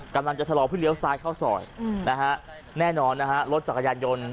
กำลังจะชะลอเพื่อเลี้ยวซ้ายเข้าซอยนะฮะแน่นอนนะฮะรถจักรยานยนต์